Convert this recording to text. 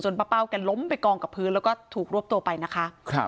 ป้าเป้าแกล้มไปกองกับพื้นแล้วก็ถูกรวบตัวไปนะคะ